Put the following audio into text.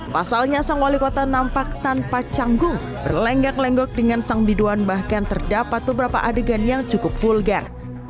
pasalnya sang wali kota nampak tanpa canggung berlenggak lenggok dengan sang biduan bahkan terdapat beberapa adegan yang cukup vulgar